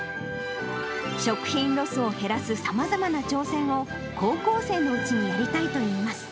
食品ロスを減らすさまざまな挑戦を、高校生のうちにやりたいといいます。